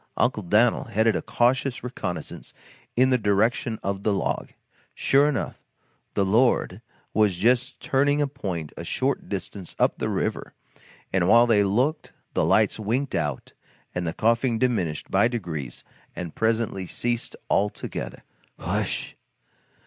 Uncle Dan'l headed a cautious reconnaissance in the direction of the log. Sure enough "the Lord" was just turning a point a short distance up the river, and while they looked the lights winked out and the coughing diminished by degrees and presently ceased altogether. "H'wsh!